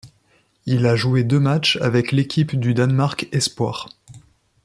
Il a joué deux matchs avec l'équipe du Danemark espoirs.